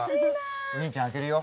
じゃあお兄ちゃん開けるよ。